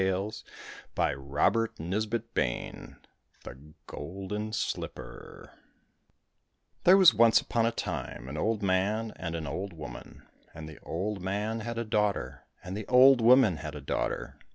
143 THE GOLDEN SLIPPER K THE GOLDEN SLIPPER THERE was once upon a time an old man and an old woman, and the old man had a daughter, and the old woman had a daughter.